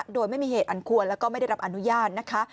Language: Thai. โดยไม่มีเหตุอันควรแล้วก็ไม่ได้รับอนุญาตนะคะ